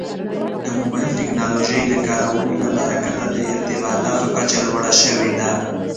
د موبایل ټکنالوژۍ د کارونې له برکته د ارتباطاتو کچه لوړه شوې ده.